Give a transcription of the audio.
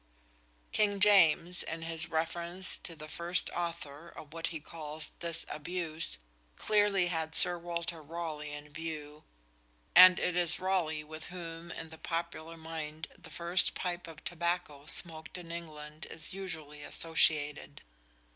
King James, in his reference to the "first Author" of what he calls "this abuse," clearly had Sir Walter Raleigh in view, and it is Raleigh with whom in the popular mind the first pipe of tobacco smoked in England is usually associated.